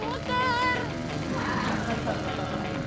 komparman mau kemana